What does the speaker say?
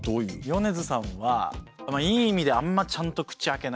米津さんはいい意味であんまちゃんと口開けないっていう。